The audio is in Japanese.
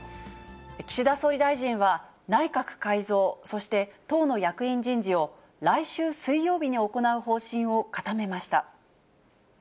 岸田総理大臣は、内閣改造、そして党の役員人事を、来週水曜日に行う方針を固めました。